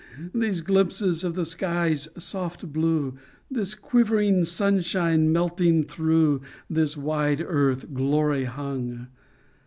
These glimpses of the sky's soft blue, This quivering sunshine melting through, This wide earth, glory hung!